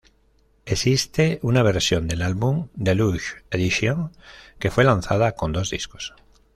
Existe una versión del álbum "Deluxe edition" que fue lanzada con dos discos.